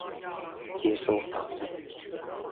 接受訪問